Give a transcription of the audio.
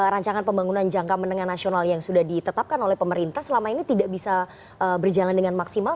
rancangan pembangunan jangka menengah nasional yang sudah ditetapkan oleh pemerintah selama ini tidak bisa berjalan dengan maksimal